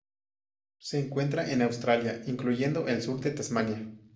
Se encuentra en Australia, incluyendo el sur de Tasmania.